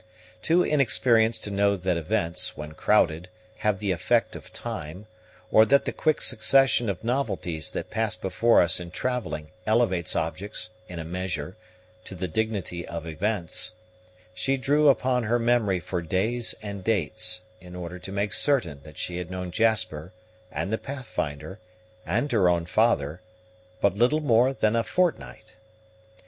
Too inexperienced to know that events, when crowded, have the effect of time, or that the quick succession of novelties that pass before us in travelling elevates objects, in a measure, to the dignity of events, she drew upon her memory for days and dates, in order to make certain that she had known Jasper, and the Pathfinder, and her own father, but little more than a fortnight.